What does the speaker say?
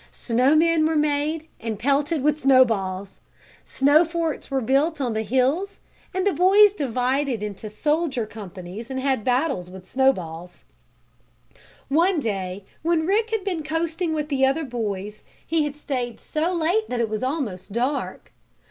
Snow men were made, and pelted with snowballs. Snow forts were built on the hills and the boys divided into soldier companies and had battles with snowballs. One day when Rick had been coasting with the other boys he had stayed so late that it was almost dark.